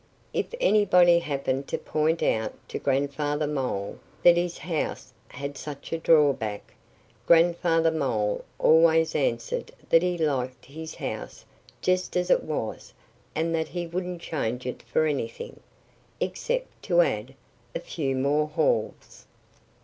If anybody happened to point out to Grandfather Mole that his house had such a drawback, Grandfather Mole always answered that he liked his house just as it was and that he wouldn't change it for anything except to add a few more halls.